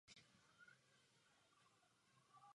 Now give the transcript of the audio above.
Protéká jí řeka Morava.